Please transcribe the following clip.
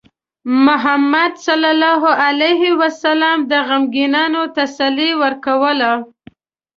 محمد صلى الله عليه وسلم د غمگینانو تسلي ورکوله.